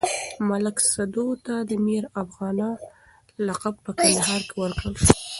ملک سدو ته د ميرافغانه لقب په کندهار کې ورکړل شو.